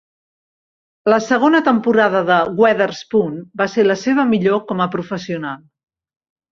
La segona temporada de Weatherspoon va ser la seva millor com a professional.